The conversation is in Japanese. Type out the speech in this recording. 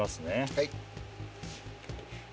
はい。